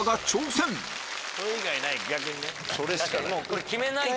そしてこれ決めないと。